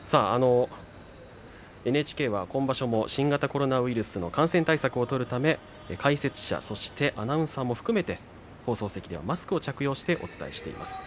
ＮＨＫは今場所も新型コロナウイルスの感染対策を取るため、解説者、アナウンサーも含めて放送席ではマスクを着用してお伝えしています。